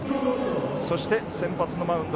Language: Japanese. そして先発のマウンド